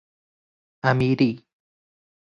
امیری